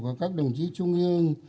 của các đồng chí trung ương